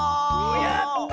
やった！